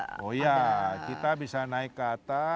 pembicara lima puluh delapan oh ya kita bisa naik ke atas